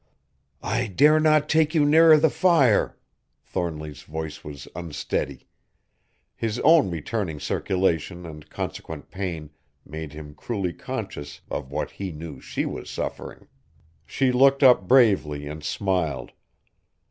"I dare not take you nearer the fire!" Thornly's voice was unsteady. His own returning circulation and consequent pain made him cruelly conscious of what he knew she was suffering. She looked up bravely and smiled.